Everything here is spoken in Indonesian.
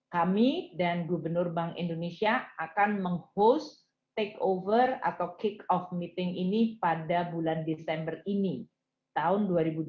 kami dan gubernur bank indonesia akan meng host take over atau kick off meeting ini pada bulan desember ini tahun dua ribu dua puluh dua